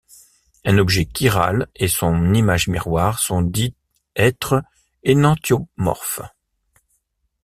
Un objet chiral et son image miroir sont dits être énantiomorphes.